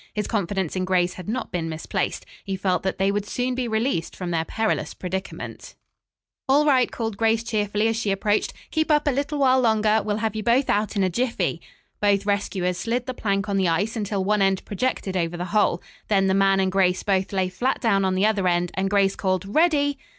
His confidence in Grace had not been misplaced. He felt that they would soon be released from their perilous predicament. [Illustration: Grace and the Strange Man Quickly Approached.] "All right," called Grace cheerfully as she approached. "Keep up a little while longer. We'll have you both out in a jiffy." Both rescuers slid the plank on the ice until one end projected over the hole. Then the man and Grace both lay flat down on the other end and Grace called "ready."